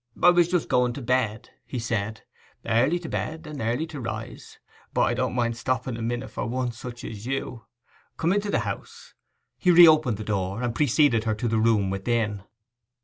'I was just going to bed,' he said; '"Early to bed and early to rise," but I don't mind stopping a minute for such a one as you. Come into house.' He reopened the door, and preceded her to the room within.